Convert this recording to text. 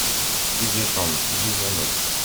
Plus de Chambre, plus de journaux!